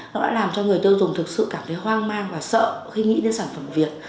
nó đã làm cho người tiêu dùng thực sự cảm thấy hoang mang và sợ khi nghĩ đến sản phẩm việt